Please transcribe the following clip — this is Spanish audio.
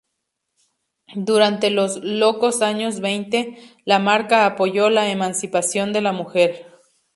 Durante los "locos años veinte", la marca apoyó la emancipación de la mujer.